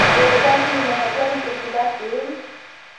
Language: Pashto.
ایا جټان هم د مرهټیانو په ائتلاف کې وو؟